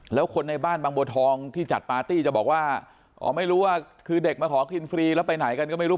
แล้วคนในบ้านบางบัวทองที่จัดปาร์ตี้จะบอกว่าอ๋อไม่รู้ว่าคือเด็กมาขอกินฟรีแล้วไปไหนกันก็ไม่รู้